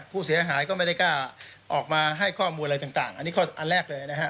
ผู้เสียหายก็ไม่ได้กล้าออกมาให้ข้อมูลอะไรต่างอันนี้ข้ออันแรกเลยนะฮะ